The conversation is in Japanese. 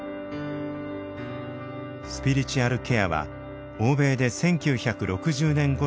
スピリチュアルケアは欧米で１９６０年ごろから普及。